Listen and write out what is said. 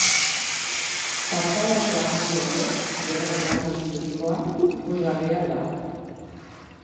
Fatxadako armarria ere, berau marmol zurikoa, ikusgarria da.